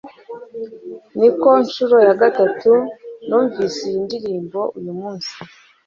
ni ku nshuro ya gatatu numvise iyi ndirimbo uyu munsi